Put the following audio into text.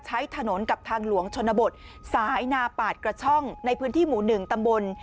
ใช้ถนนกับทางหลวงชนบทสายนาปาดกระช่องในพื้นที่หมู่๑ตำบล